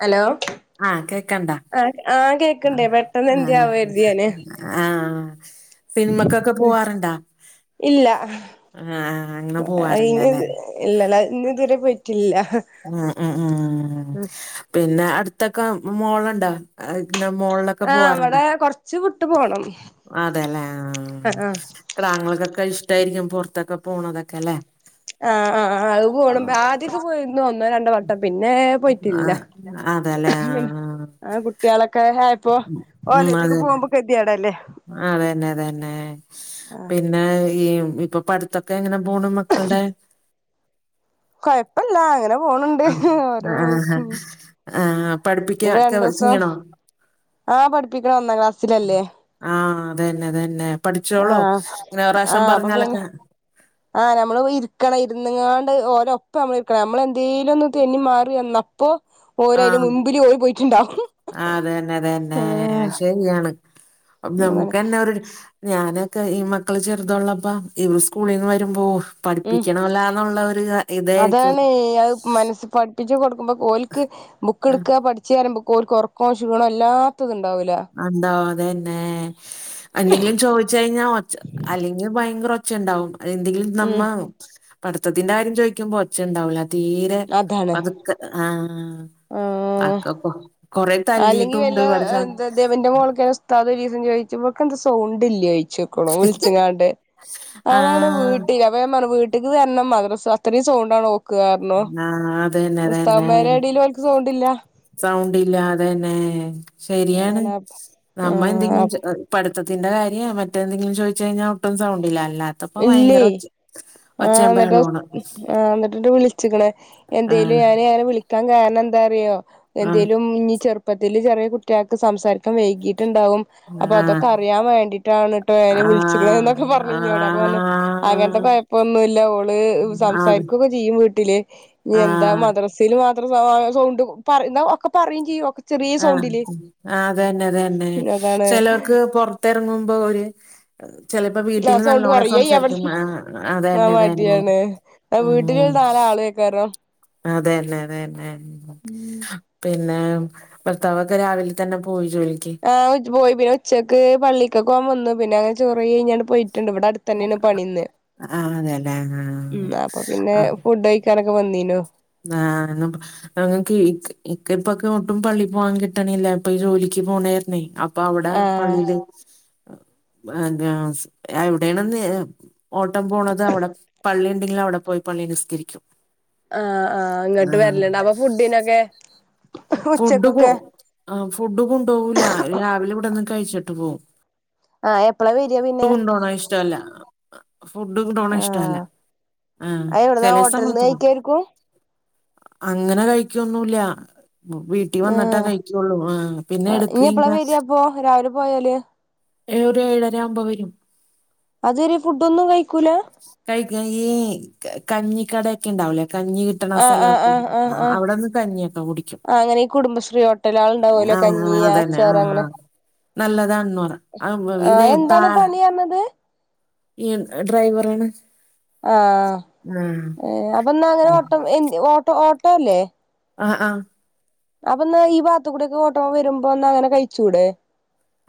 Hello ആഹ് കേക്ക്ണ്ടാ ആ ആ കേക്കണ്ടേ പെട്ടെന്ന് ആഹ് എന്ത്യാവോ കരുതി ഞാന് ആഹ് സിൻമക്കൊക്കെ പോവാറ്ണ്ടാ? ഇല്ല ആഹ് അങ്ങനെ പോവാറില്ലല്ലേ ഇല്ലല്ലാ ഇന്ന് ഇതുവരെ പോയിട്ടില്ല ആഹ് ആഹ് പിന്നെ അട്ത്തൊക്കെ മോള്ണ്ടോ? ഇങ്ങനെ മോളെ ആഹ് അങ്ങനെ കൊറച്ച് വിട്ട് പോണം അതേല്ലേ ആഹ് ക്ടാങ്ങൾക്കൊക്കെ ഇഷ്ട്ടായിരിക്കും പൊറത്തൊക്കെ പോണതൊക്കെ അല്ലെ? ആഹ് ആഹ് അത് പോണം ആദ്യൊക്കെ പോയിര്ന്ന് ഒന്നോ രണ്ടോ വട്ടം പിന്നെ പോയിട്ടില്ല അതേല്ലേ ആഹ് ആഹ് കുട്ടികളൊക്കെ അങ്ങനെ ആയപ്പൊ ഓലേറ്റൊക്കെ പോകുമ്പോ ഗതിയേടല്ലേ? ആഹ് അതെന്നെ അതെന്നെ പിന്നെ ഈ ഇപ്പൊ പടുത്തൊക്കെ എങ്ങനെ പോണ് മ മക്കൾടെ? കൊഴപ്പല്ല അങ്ങനെ പോണ് ണ്ട് ഓരോ ആഹ് ആഹ് വയിക്ക്ങ്ങ ആഹ് പഠിപ്പിക്ക ഒക്കെ ചെയ്യണോ? ആഹ് പഠിപ്പിക്കണം ഒന്നാം ക്ലാസ്സിലല്ലേ? ആഹ് അതന്നെ അതന്നെ പഠിച്ചോളോ ആഹ് ഇങ്ങനെ ഒരു പ്രാശ്യം ആഹ് അപ്പൊ പിന്നെ പറഞ്ഞാലൊക്കെ? ആഹ് നമ്മള് പോയി ഇരിക്കണം ഇരുന്ന്ങ്ങാണ്ട് ഓരൊപ്പം നമ്മള് ഇരിക്കണം നമ്മളെന്തേലും ഒന്ന് തെന്നി മാറി വന്നപ്പൊ ഓര് അയിന്റെ ആഹ് മുമ്പില് ഓര് പോയിട്ട്ണ്ടാവും. ആഹ് അത് തന്നെ അത് തന്നെ അഹ് ശരിയാണ് അപ്പൊ അതാണ് നമ്ക്കന്നെ ഒരു ഞാനൊക്കെ ഈ മക്കള് ചെറുതുള്ളപ്പാ ഇവര് സ്കൂളിന്ന് വരുമ്പോ പഠിപ്പിക്കണവല്ലോന്നുള്ള ഒരു ഇതായിരിക്കും. അതാണേ അത് മനസ്സ് പഠിപ്പിച്ച് കൊടുക്കുമ്പോക്കെ ഓൽക്ക് ആഹ് ബുക്ക്ട്ക്കാ പഠി ച്ചാ പറിയുമ്പോക്ക് ഓൽക്ക് ഒറക്കോ ക്ഷീണോ ഇല്ലാത്തത് ഇണ്ടാവൂല്ല. എന്തോവും അതന്നെ എന്തെങ്കിലും ചോയ്ച്ച് കഴിഞ്ഞാ ഒച്ച അല്ലെങ്കി ഭയങ്കര ഒച്ച ഒച്ചയിണ്ടാവും എന്തെങ്കിലും നമ്മ ഉം പഠിത്തത്തിന്റെ കാര്യം ചോദിക്കുമ്പോ ഒച്ചണ്ടാവില്ല തീരെ അതാണ് പതുക്കെ ആഹ് ആഹ് അതൊക്കെ ഇപ്പൊ കൊറേ തല്ലിയിട്ടുംണ്ട് പഠിച്ച ഇപ്പെന്റെ മോൾക്കെന്നെ ഉസ്താദ് ഒരീസം ചോയിച്ചു ഇവക്കെന്ത സൗണ്ട് ഇല്ലേ ചോയ്ച്ചു ഓളെ വിളിച്ച്ങ്ങാണ്ട് അതാണ് ആഹ് വീട്ടില അപ്പൊ ഞാൻ വീട്ടിക്ക് വരണം മദ്രസ്സ് അത്രയും സൗണ്ടാണ് ഓക്ക് പർഞ്ഞു ആഹ് അത് തന്നെ ഉസ്താദ്മാരെ എടയില് ഓൽക്ക് സൗണ്ടില്ല സൗണ്ടില്ലാ അതന്നെ ശരിയാണ് അതാണ് നമ്മ എന്തെങ്കിലും ആഹ് ചോ പഠിത്തത്തിന്റെ കാര്യം മറ്റെന്തെങ്കിലും ചോയ്ച്ചഴിഞ്ഞാൽ ഒട്ടും സൗണ്ടില്ല അല്ലാത്തപ്പോ ഇല്ലേ ഭയങ്കര ഒച്ച ആഹ് ഒച്ചേം ഇന്നെട്ട് ബഹളോണ്. ആഹ് ഇന്നെട്ടിണ്ട് വിളിച്ചിക്ക്ണ് എന്തേലും ആഹ് അല്ലേ അങ്ങനെ വിളി ക്കാൻ കാരണം എന്താ അറിയോ? ആഹ് എന്തേലും ചെറുപ്പത്തില് ചെറിയ കുട്ടികൾക്ക് സംസാരിക്കാൻ വൈകിയിട്ട്ണ്ടാവും അപ്പൊ ആഹ് അതൊക്കെ അറിയാൻ വേണ്ടിയിട്ടാണ് ട്ടോ ഞാൻ ഈ വിളിച്ച്ക്ക്ണെ ന്നൊക്കെ ആഹ് പറഞ്ഞിന്നോട് അപ്പൊ ഞാ പറഞ്ഞ് അങ്ങനത്തെ ആഹ് കൊഴപ്പൊന്നുല്ല ഓള് അത് സംസാരിക്കൊക്കെ ചെയ്യും വീട്ടില് ഇഞ് എന്താ ആഹ് മദ്രസില് മാത്രം സൗണ്ട് പറിയും ഇന്നാ ഒക്കെ പറയും ചെയ്യും ചെറിയ ആഹ് സൗണ്ടില് ആഹ് അതന്നെ അതന്നെ അതാണ് ചെലോര്ക്ക് പൊറത്തെറങ്ങുമ്പോ ഒര് ചെലപ്പോ ആ വീട്ടില് സൗണ്ട് നല്ലോണം കൊറയും അയ് എവട് സംസാരിക്കും ആ അതന്നെ അതന്നെ മടിയാണ് ആ ഉം വീട്ടിലോല് നാലാളും ഏയ്ക്കാരം അതന്നെ അത് തന്നെ പിന്നെ ഭർത്താവൊക്കെ രാവിലെ തന്നെ പോയോ ജോലിക്ക്? ആഹ് പോയി പിന്നെ ഉച്ചക്ക് പള്ളിക്കൊക്കെ പോവാൻ വന്നു പിന്നെ അത് കഴിഞ്ഞ ചോറ് വെയി കഴിഞ്ഞ് പോയിട്ട്ണ്ട് ഇവിടെ അടുത്തന്നെ തന്നെയാണ് പണിന്ന് ആഹ് അതെല്ലേ ഉം ആഹ് അപ്പൊ പിന്നെ ആഹ് ഫുഡ് കഴിക്കാനൊക്കെ വന്നീനു ആഹ് ഇന്ന് പ [unintelligible] ഇക്ക് ഇപ്പൊക്കെ ഒട്ടും പള്ളി പോവാൻ കിട്ടണില്ല ഇപ്പൊ ജോലിക്ക് പോണ കാരണേയ് അപ്പ് അപ്പ അവിടെ ആ പള്ളിയില് എന്താണ് എവിടെ ആണെന്നേ ഓട്ടം പോണത് അവിടെ പള്ളി ഉണ്ടെങ്കിൽ അവിടെ പോയി പള്ളിൽ നിസ്കരിക്കും. ആഹ് ആഹ് ഇങ്ങട്ട് വരല്ണ്ട് അപ്പൊ ഫുഡിനൊക്കെ. ഫുഡ് കൊ ഉച്ചക്കൊക്കെ ഫുഡ് കൊണ്ടോവൂല രാവിലെ ഇവിടെന്ന് കഴിച്ചിട്ട് പോവും. ആ എപ്പളാ വരിക ഫുഡ് പിന്നെ കൊണ്ടോണത് ഇഷ്ടല്ല. ഫുഡ് കൊണ്ടോണത് ആ ഇഷ്ടല്ല ആഹ് അത് എവിടുന്നാ ചെലേസം ഹോട്ടലിന്ന് [unintelligible] കഴിക്കായിരിക്കും അങ്ങനെ കഴിക്കൊന്നുല്ല വീ ട്ടി ആ വന്നിട്ടാ കഴിക്കുള്ളൂ ആഹ് പിന്നെ ഇനി എടുക്കും എപ്പളാ ഇങ്ങ വരിക അപ്പൊ രാവിലെ പോയാല് ഏഴ് ഏഴര ആവുമ്പോ വരും അതുവരെ ഫുഡ് ഒന്നും കഴിക്കൂല കഴിക്കണെങ്കി കഞ്ഞിക്കട ഒക്കെ ഉണ്ടാവൂലേ കഞ്ഞി കിട്ടണ ആ ആ സ്ഥലക്കെ ആ ആ ആഹ് ആ അവിടെന്ന് കഞ്ഞിയൊക്കെ കുടിക്കും ആ അങ്ങനെ ഈ കുടുംബശ്രീ ഹോട്ടലാൾ ഉണ്ടാവോലോ കഞ്ഞി ആച്ചാർ അങ്ങനെ നല്ലതാണന്നുപറ അത് ഇതേ പാ തന്നത് ഈ ഡ്രൈവറാണ് ആഹ് ആഹ് ഏഹ് അപ്പൊ എന്നാ ഇങ്ങളെ ഓട്ടം എന്ത്‌ ഓട്ടോ ഓട്ടോ ഇല്ലേ ആഹ് ആഹ് അപ്പൊ എന്നാ ഈ ഭാഗത്തുക്കൂടി ഒക്കെ ഓട്ടം വരുമ്പോന്നാ അങ്ങനെ കഴിച്ചൂടെ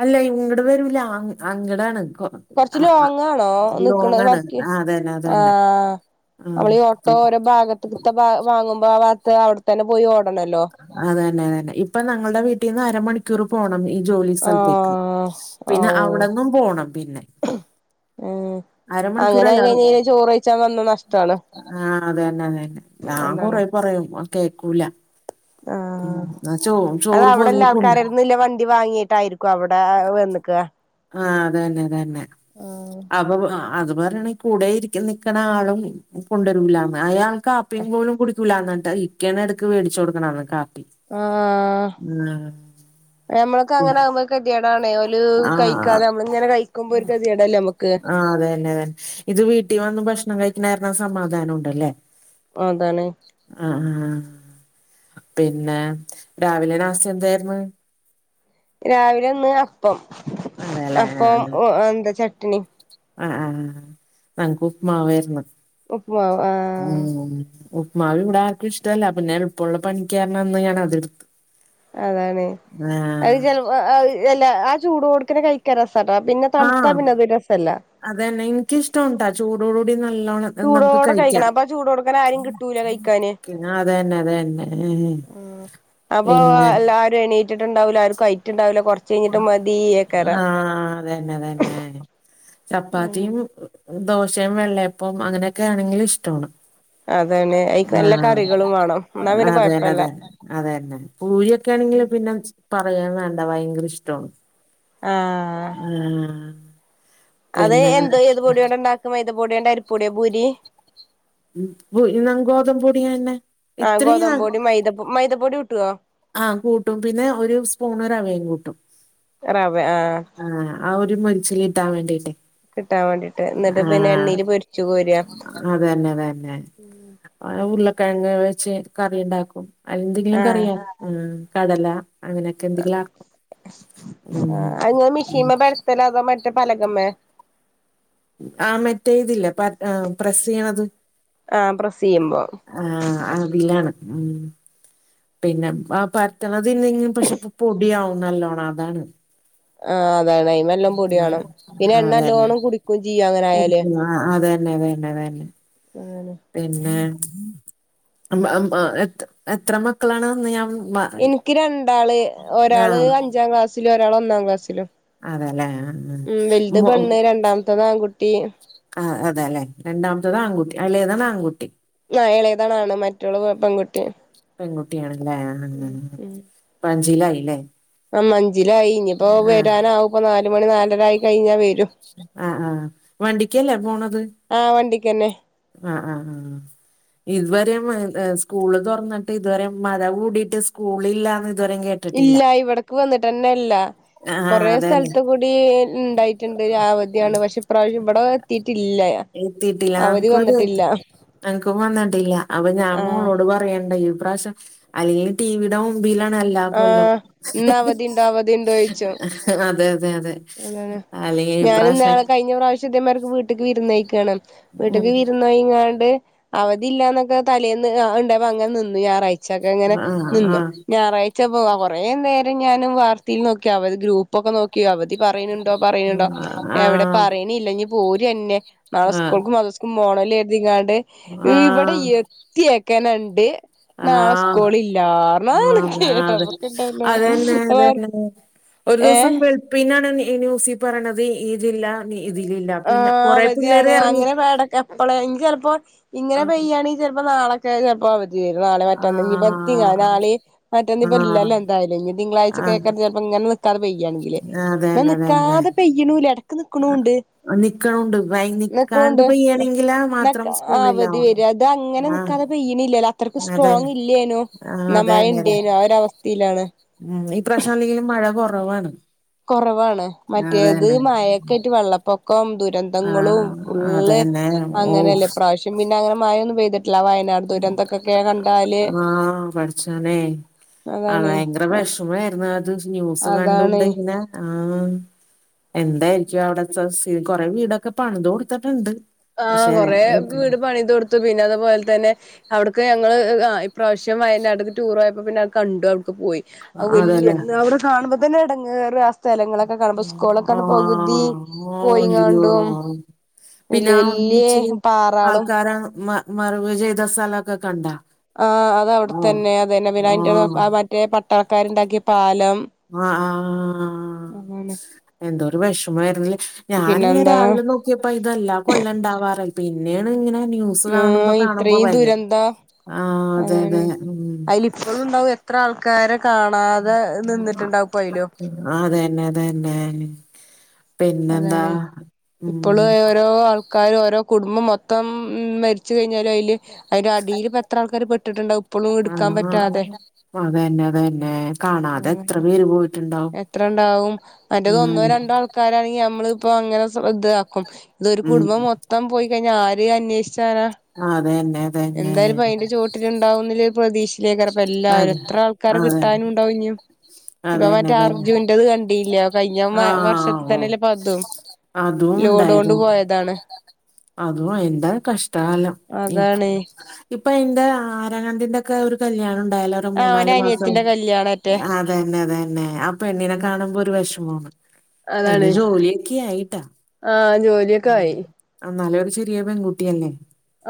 അല്ല ഇങ്ങട് വരൂല അങ്ങ അങ്ങടാണ് കൊ കൊറച്ച് ലോങ്ങാണോ നിക്കണ വർക്ക് ആഹ് അതന്നെ അതന്നെ ആഹ് ആഹ് നമ്മൾ ഈ ഓട്ടോ ഓരോ ഭാഗത്തുത്തെ വാങ്ങുമ്പോ ആ ഭാഗത്ത്‌ അവിടെത്തന്നെ പോയി ഓടണല്ലോ അതന്നെ അതന്നെ ഇപ്പൊ ഞങ്ങളുടെ വീട്ടീന്ന് അരമണി ക്കൂർ പോണം ഈ ജോലി ആ സ്ഥലത്തേക്ക് പിന്നെ അവിടെന്നും പോണം പിന്നെ ഏഹ് അങ്ങനെ അരമണിക്കൂറല്ല ആയി കഴിഞ്ഞ പിന്നേ ചോറ് കഴിച്ചാ വന്നാ നഷ്ടാണ് ആഹ് അതന്നെ അതന്നെ ഞാൻ അതാണ് കൊറെ പറയും കേക്കൂല ഉം ആഹ് ചോ അത് ചോറ് അവിടെള്ള പൊതിഞ്ഞ് കൊണ്ട ആൾക്കാരേന്നു ഇല്ല വണ്ടി വാങ്ങിയിട്ടായിരി ക്കും അവിടെ വന്നക്ക ആഹ് അതന്നെ അതന്നെ ആഹ് അപ്പൊ അത് പറയണെങ്കി കൂടെ ഇരിക്ക നിൽക്കണ ആളും കൊണ്ടുവരൂലന്ന് അയാൾ കാപ്പി പോലും കുടിക്കൂല എന്നിട്ട് ഇക്കേണ് എടക്ക് മേടിച്ചു കൊടുക്കണ കാപ്പി ആഹ് ഉം ഞമ്മൾക്ക് അങ്ങനെ ആകുമ്പേക്ക് കെതേടാണേ ഓല് ആഹ് കഴിക്കാതെ നമ്മള് ഇങ്ങനെ കഴിക്കുമ്പോ ഒരു കെതേടല്ലേ നമ്മക്ക് ആഹ് അതന്നെ അതന്നെ ഇത് വീട്ടിൽ വന്ന് ഭക്ഷണം കഴിക്കണ കാരണം സമാധാനം ഉണ്ടല്ലേ അതാണ് ആഹ് പിന്നെ രാവിലെ നാസ്ത എന്തായിരുന്നു രാവിലെ ഇന്ന് അപ്പം അതെല്ലേ അപ്പം ആഹ് എന്താ ചട്ട്ണി ആഹ് ആഹ് ഞങ്ങക്ക് ഉപ്പ്മാവാരുന്നു ഉപ്പ്മാവ് ആഹ് ഉം ഉപ്പ് മാവ് ഇവിടാർക്കും ഇഷ്ടല്ല പിന്നെ എളുപ്പള്ള പണിക്ക് കാരണം ഇന്ന് ഞാൻ അതെടുത്ത് അതാണ് അത് ആഹ് ചെൽ എല്ലാ ആഹ് ചൂടോടുക്കനെ കഴി ക്കാൻ രസട്ടാ പിന്നെ തണുത്ത പിന്നതൊരു രസല്ല അത് തന്നെ എനിക്കിഷ്ട്ടാണുട്ടോ ചൂടോട് കൂടി നല്ലോണം നമുക്ക് കഴിക്കാം അങ്ങന ആരേം കിട്ടൂല കഴിക്കാന് പിന്നെ അതന്നെ അതന്നെ ഉ അപ്പൊ പിന്നെ എല്ലാരും എണീറ്റിട്ടുണ്ടാവൂല്ല ആർക്കും ഐറ്റുണ്ടാവില്ല കൊറച്ച് കഴിഞ്ഞിട്ട് മതിയേക്കാരം ആഹ് അതന്നെ അതന്നെ ചപ്പാത്തിയും ദോശയും വെള്ളയപ്പം അങ്ങനെയൊക്കെ ആണെങ്കിലും ഇഷ്ടാണ് അതാണ് അയിക്ക് നല്ല ആഹ് കറികളും വേണം എന്നാ പിന്നെ അതെന്നെ കൊഴപ്പല്ല അതെ അതെന്നെ പൂരിയൊക്കെ ആണെങ്കിൽ പിന്നെ പറയാൻ വേണ്ട ഭയങ്കര ഇഷ്ടാണ് ആഹ് ഉം അത് എന്ത് ഏത് പൊടിയോണ്ട് ഉണ്ടാക്കും മൈത പൊടിയോണ്ടോ അരിപ്പൊടിയോ പൂരി ഉ ഗോതമ്പപൊടിയന്നെ ഇത്രയും ന മൈതപൊടി കുട്ടുവോ ആഹ് കൂട്ടും പിന്നെ ഒരു സ്പൂൺ റവയും കൂട്ടും റവ ആഹ് ആഹ് ആ ഒരു മൊരിച്ചിൽ കിട്ടാൻ വേണ്ടിയിട്ടേ കിട്ടാൻ വേണ്ടിട്ട് എന്നിട്ട് പിന്നെ എണ്ണീല് പൊരിച്ചു കോരാ അതന്നെ അതന്നെ ഉരുളക്കിഴങ്ങ് വെച്ച് കറി ഇണ്ടാക്കും എന്തെങ്കിലും ആഹ് കറിയ ഉം കടല അങ്ങനെയൊക്കെ എന്തെങ്കിലും ആക്കും ഉംമ് ആഹ് അത്ങ്ങള് ഉംമ് മിഷീമേ [unintelligible] മറ്റേ പലകമ്മേ ആഹ് മറ്റേ ഇതില്ലേ പ പ്രസ് എയ്യണത് ആഹ് പ്രസ് എയ്യുമ്പോ ആഹാ അതിലാണ് ഉംമ് പിന്നെ ആ പരത്തണതില്ലെങ്കി പക്ഷെ പൊ പൊടിയവും നല്ലോണം അതാണ് ആഹ് അതാണ് അതിന് നല്ലോണം പൊടി വേണം ആഹ് പിന്നെ എണ്ണ നല്ലോണ്ണം കുടിക്കും ചെയ്യും അങ്ങനെ ആയാല് ആഹ അതന്നെ തെന്നെ തെന്നെ അതെലെ [unintelligible] പിന്നെ അം അം ആഹ് എത് എത്ര മക്കളാണ് അന്ന് ഞാൻ മ ഇൻക്ക് രണ്ടാള് ഒരാള് അഞ്ചാം ക്ലാസ്സിലും ഒരാള് ഒന്നാം ക്ലാസ്സിലും അതെല്ലേ ഉം വലുത് പേണ്ണ് രണ്ടാമത്തെത് ആൺകുട്ടി കാ അതെല്ലെ രണ്ടാമത്തത് ആൺകുട്ടി എളെതാണ് ആൺകുട്ടി ആ എളെതാണ് ആണ് മറ്റോള് പെൺകുട്ടി പെൺകുട്ടി ആണല്ലേ ഉം ഇപ്പ അഞ്ചിലായില്ലേ അം അഞ്ചില് ആയി ഇനി ഇപ്പോ വരാനാവും ഇപ്പ നാല് മണി നാലരായി കഴിഞ്ഞാൽ വരും ആ ആഹ് വണ്ടിക്കല്ലേ പോണത് ആഹ് വണ്ടിക്കെന്നെ ആ ഹ ആഹ് ഇതുവരെം ഏ സ്കൂള് തുറന്നിട്ട് ഇതുവരെം മഴ കൂടീട്ട് സ്കൂള് ഇല്ലാന്ന് ഇതുവരെം കേട് ഇല്ല ഇവടക്ക് വന്നിട്ട്ന്നെല്ല ആഹ് കൊറെ അതന്നെ സ്ഥലത്ത് കൂടി ഇണ്ടായിട്ട്ണ്ട് അവധിയാണ് പക്ഷെ ഇപ്രാവശ്യം ഇമ്പടെ എത്തിയിട്ടില്ല എത്തീട്ടില്ല അവധി ആഹ് വന്നിട്ടില്ല [unintelligible] അൻക്കും വന്നിട്ടില്ല അപ്പോ ഞാൻ ആ മോളോട് പറയേണ്ടായി ഇപ്രാവശ്യം അല്ലെങ്കി ടിവിടെ മുമ്പിലാണ് എല്ലാ ആ കൊല്ലോം ഇന്ന് അവധിയുണ്ടോ അതെ അതെ അതെ എന്താണ് അല്ലെങ്കിൽ ഈ ഞാൻ പ്രാവശ്യം ഇന്നാള് കഴിഞ്ഞ പ്രാവ ശ്യം ഇതെമാരി വീട്ട്ക്ക് വിരുന്നേക്കണ് ഉം വീട്ട്ക്ക് വിരുന്നോയിങ്ങാണ്ട് അവധില്ലന്നൊക്കെ തലേന്ന് ഇണ്ടായിപ്പോ അങ്ങനെ നിന്നു ഞായറാഴ്ച്ചൊക്കെ അങ്ങനെ ആഹ് നിന്നു ആഹ് ഞായറായ് ച്ചപ്പോവാ കൊറേ നേരം ഞാനും വാർത്തയിൽ നോക്കി അവ ഗ്രൂപ്പ് ഒക്കെ നോക്കി അവധി പറയ്നുണ്ടോ പറയ്നുണ്ടോ എവടെ ആഹ് പറയണില്ല ഇനി പോരെന്നെ നാളെ സ്കൂൾക്കും മദ്രസ് പോണോലെ എന്നിങ്ങാണ്ട് ആഹ് ഇവടെ ആഹ് എത്തിയേക്കാന്ണ്ട് ആഹ് നാളെ സ്കൂള് ഇല്ലർന്നു അത് ആണ്ട് ആഹ് അതെ അതെ കേട്ടപ്പൊക്കെ ഇണ്ടല്ലോ അതന്നെ അതന്നെ ഒരു ദിവസം വെള്ളുപ്പിന്നാണ് ഈ ന്യൂസി പറയണത് ഈ ജില്ല ഇതിലില്ല പിന്നെ ആഹ് കൊറെ പിള്ളേര് അവധിയാണ് ഇറങ്ങി അങ്ങനെട എപ്പളെ ഇനി ചിലപ്പോ ഇങ്ങനെ ആഹ് പെയ്യാണ് ഇനി ചെലപ്പോ നാളൊക്കെ ചെലപ്പോ അവധി തരും നാളെ മറ്റന്ന് ഇനിപ്പ തിങ്ക ആഹ് നാളെം മറ്റേന്നിപ്പ ആഹ് ഇല്ലല്ലേ എന്തായാലും ഇനി തിങ്കളാഴ്ച ആഹ് കേൾക്കാ ചെപ്പോ ഇങ്ങനെ നിക്കാത പെയി യണെങ്കില് എന്ന അതന്നെ അതന്നെ നിക്കാതെ പെയ്യണുല്ല എടക്ക് നിക്കണുണ്ട് നിക്കണുണ്ട് വൈ നിക്ക്ണ് നിക്കാണ്ട് ഇണ്ട് പെയ്യണെങ്കിലാ ന മാത്രം അവധി സ്കൂളിലാവണം വര്യാ അത് അങ്ങനെ ആഹ് നിക്കാതെ പെയ്യണില്ലല്ലാ അത്രയ്ക്ക് അതന്നെ സ്ട്രോങ് ഇല്ലേനോ ആഹ് എന്ന മഴ അതന്നെ അതെ ഇണ്ടേനോ ആ ഒരു അവസ്ഥയിലാണ് ഉം ഈ പ്രവശ്യം അല്ലെങ്കിലും മഴ കൊറവാണ് കൊറവാണ് മറ്റേത് മയൊക്കെ ആയിട്ട് വെള്ളപ്പൊക്കം ദുര് രന്തങ്ങളും ആഹ് ഫുള്ള് അതന്നെ അങ്ങനെയല്ലേ ഓഫ് ഇപ്രാവശ്യം പിന്നെ അങ്ങനെ മഴയൊന്നും പെയ്ത് ല്ലാ, വയനാട് ദൂരന്തൊക്കെക്കെ കണ്ടാല് ആഹ് അതാണേ അത്ര വിഷമായിരുന്നു അത് ന്യൂസ് അതാണ് കണ്ടോണ്ട് ഇങ്ങനെ ആഹ് എന്തായിരിക്കും അവിടെ കൊറെ വീടൊക്കെ പണിതു കൊടുത്തിട്ടുണ്ട് ആഹ് പക്ഷെ കൊറേ ഇത് വീട് പണിത് കൊടുത്തു പിന്നെ അതുപോലെ തന്നെ അവിടുക്ക് ഞങ്ങള് ഇ പ്രാവശ്യം വയനാട്ക്ക് ടൂറോയപ്പോ പിന്നെ കണ്ടു അവിടെക്ക് പോയി അ വല്യ അതല്ലേ അവിടെ കാണുമ്പോ തന്നെ എടങ്ങേറ് സ്ഥലങ്ങളൊക്കെ കാണുമ്പോ സ്കൂളൊക്കൊണ്ട് പകുതി ആഹ് അയ്യോ പോയിങ്ങാണ്ടും വല്യ വല്യ പാറാളും കാരണം മ മറവ് ചെയ്ത സ്ഥലൊക്കെ കണ്ടാ ആ അത് ആഹ് അവിടെത്തന്നെ അതന്നെ പിന്നെ അന്റെ ആഹ് മറ്റേ പട്ടാളക്കാരുണ്ടാക്കിയ പാലം ആ ആഹ് അതാണ് എന്തോരു വിഷമമായിരുന്നല്ലേ ഞാനിങ്ങനെ പിന്നെന്താ രാവിലെ നോക്കിയപ്പോ ഇതെല്ലാ കൊല്ലം ഉണ്ടാവാറ് പിന്നേണ് ഇങ്ങനെ ന്യൂസ് കാണുമ്പോ ഉം കാണുമ്പോ ഇത്രയും ഭയങ്കര ദുരന്തം ആഹ് അതെ അതാണ് അതെ ഉം അതില ഇപ്പോഴുണ്ടാവും എത്ര ആൾക്കാരെ കാണ കാണാതെ നിന്നിട്ടുണ്ടാവും പ്പയ്ലും ആ അതന്നെ അതന്നെ പിന്നെന്താ അതാണ് ഉം കാരും ഓരോ കുടുംബം മൊത്തം മരിച്ച് കഴിഞ്ഞാല് അതില് അതിന്റെ അടിയില് ഇപ്പം എത്ര ആൾക്കാര് പെട്ടിട്ടുണ്ടാവും ഇപ്പളും ഇ അല്ല, ടുക്കാൻ പറ്റാതെ അതന്നെ അതന്നെ കാണാതെ എത്ര ആഹ് പേര് പോയിട്ടുണ്ടാവും എത്ര ഉണ്ടാവും മറ്റത് ഒന്നോ ഉം രണ്ടോ ആൾക്ക ക്കാരാണെങ്കിൽ നമ്മള് ഇപ്പോ അങ്ങനെ ശ്രദ്ധതാക്കും ഇത് ഒരു ഉം കുടുംബം മൊത്തം പോയി കഴിഞ്ഞാ ആരെ അന്വേഷി ചാനാ അതന്നെ അതന്നെ എന്തായാലുപ്പം അയിന്റെ ചോട്ടില് ഉണ്ടാവുന്നില്ലെ ഒരു പ്രതീക്ഷ ഷെക്കാരപ്പെല്ലാവരും അതെ എത്ര ആൾക്കാരെ അതെ കിട്ടാനും ഉണ്ടാവും ഇഞ്ഞു ഇപ്പൊ അതന്നെ മറ്റേ അതന്നെ അർജുന്റെത് കണ്ടില്ലോ കഴിഞ്ഞ വർഷ ആഹ് ഓഹ് തന്നല്ലെ പതും അതും ലോഡ് കൊണ്ട് ഉണ്ടായിരുന്നു പോയതാണ് അതും അയിന്റൊ കഷ്ടകാലം ഉം അതാണ് ഇപ്പൊ അതിന്റെ ആരാങ്ങണ്ടിന്റൊക്കെ ഒരു കല്യാണം ഉണ്ടായല്ലൊ ഒരു ആഹ് ഓന്റെ മൂന്നാല് മാസം അനിയത്തിന്റെ കല്യാണറ്റെ ആഹ് തന്നെ തന്നെ ആഹ് പെണ്ണിനെ കാണുമ്പോ ഒരു വിഷമാണ് അതിന് അതാണ് ജോലിയൊക്കെ ആയിട്ടാ ആഹ് ജോലിയൊക്കെ ആയി ആഹ് എന്നാലും ഒരു ചെറിയ പെൺകുട്ടിയല്ലേ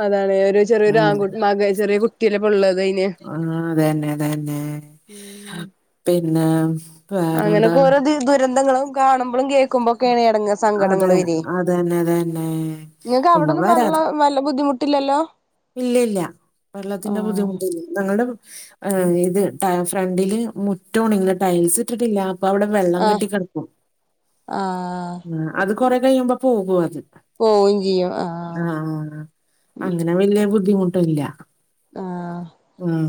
അതാണ് ഒരു ചെറിയൊരു ഉം ആൺ മക ചെറിയ കുട്ടിയല്ലെ ഇപ്പൊ ഉള്ളത് അതിന് ആഹ് അതന്നെ അതന്നെ പിന്നെ അങ്ങനെ വേറെന്താ കൊറെ ദുരന്തങ്ങളും കാണുമ്പോഴും കേൾക്കുമ്പൊക്കേണ് അതെ അതന്നെ അതന്നെ നിങ്ങൾക്ക് ഒന്നും അവിടൊന്നും വെള്ള വരാത്ത വല്ല ബുദ്ധിമുട്ടില്ലല്ലോ ഇല്ല ഇല്ല വെള്ളത്തിന്റെ ആഹ് ബുദ്ധിമുട്ടില്ല ഞങടെ ഇത് ഫ്രണ്ടില് മുറ്റാണ് ഇങ്ങനെ ടയിൽസ് ഇട്ടിട്ടില്ല അപ്പൊ അവിടെ വെള്ളം ആഹ് കെട്ടി കെടക്കും ആഹ് ആഹ് അത് കൊറേ കയ്യുമ്പോ പോകും അത് പോവും ചെയ്യും ആഹ് ആഹ് അങ്ങനെ വലിയ ബുദ്ധിമുട്ടില്ല ആഹ്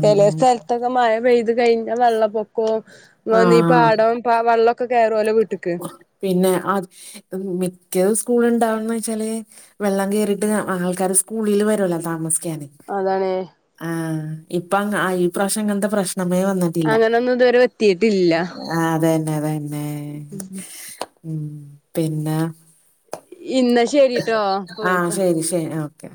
ചെലേ സ്ഥലത്തൊക്കെ മഴ പെയ്ത് കഴിഞ്ഞാ വെള്ളപ്പൊക്കവും ഈ ആഹ് പാടോം ആ വെള്ളൊക്കെ കയറൊല്ലോ വീട്ടിക്ക് പിന്നെ അത് മിക്ക സ്കൂളും ഇണ്ടാവന്ന് വെച്ചാല് വെള്ളം കേറിട്ട് ആൾക്കാര് സ്കൂളില് വരുല്ലോ താമസിക്കാന് അതാണെ ആഹ് ഇപ്പം ഈ പ്രാവശ്യം അങ്ങനത്തെ പ്രശ്നമേ വന്നിട്ട് അങ്ങനൊന്നും ഇതുവരെ എത്തിയിട്ടില്ല ആഹ് അത് തന്നെ അതന്നെ ഉം പിന്നെ ഇന്നാ ശരിട്ടോ ഇപ്പൊ ആഹ് വിളിക്കാ ശെരി ശെ ഓക്കെ.